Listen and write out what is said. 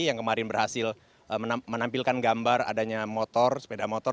yang kemarin berhasil menampilkan gambar adanya motor sepeda motor